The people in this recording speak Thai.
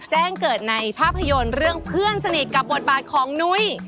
แจ้งเกิดในภาพยนตร์เรื่องเพื่อนสนิทกับบทบาทของนุ้ย